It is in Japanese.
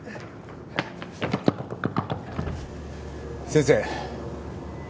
先生。